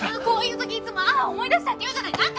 こういう時いつも「思い出した！」って言うじゃない。